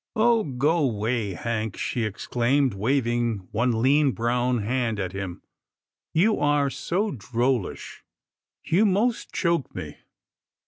" Oh ! go 'way. Hank," she exclaimed, waving one lean brown hand at him, " you are so drollish, you most choke me."